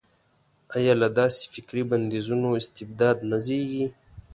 ایا له داسې فکري بندیزونو استبداد نه زېږي.